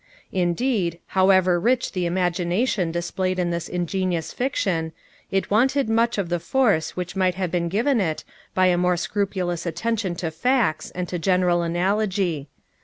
Indeed, however rich the imagination displayed in this ingenious fiction, it wanted much of the force which might have been given it by a more scrupulous attention to facts and to general analogy.